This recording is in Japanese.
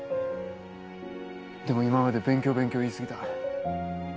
でも今まで勉強勉強言い過ぎた。